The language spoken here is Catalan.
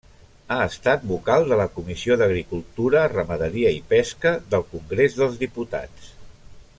Ha estat vocal de la Comissió d'Agricultura, Ramaderia i Pesca del Congrés dels Diputats.